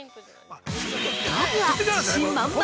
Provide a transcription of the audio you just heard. まずは、自信満々！